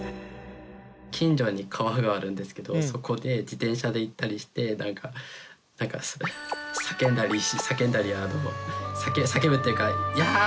近所に川があるんですけどそこで自転車で行ったりしてなんか叫んだり叫ぶっていうかやってなっちゃったりとか。